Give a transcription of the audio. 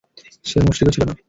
সে মুশরিকও ছিল না।